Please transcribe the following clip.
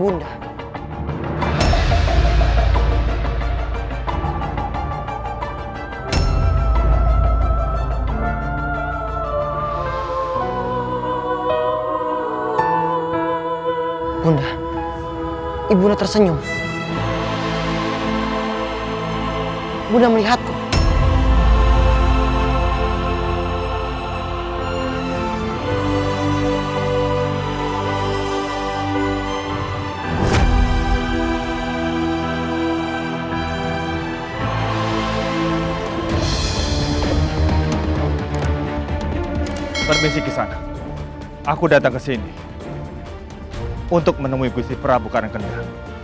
untuk menemui gusti prabu karangkandang